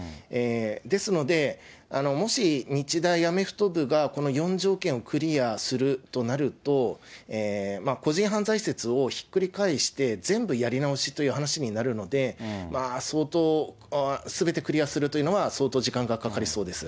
ですので、もし日大アメフト部がこの４条件をクリアするとなると、個人犯罪説をひっくり返して、全部やり直しという話になるので、まあ相当、すべてクリアするというのは相当時間がかかりそうです。